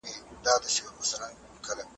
آيا وګړي د قدرت سرچينه ګڼل کېږي؟